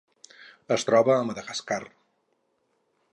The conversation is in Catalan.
Es troba al Madagascar.